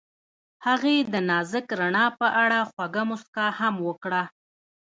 هغې د نازک رڼا په اړه خوږه موسکا هم وکړه.